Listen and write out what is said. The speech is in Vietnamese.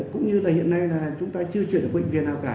cũng như là hiện nay là chúng ta chưa chuyển ở bệnh viện nào cả